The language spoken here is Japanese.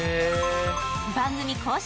番組公式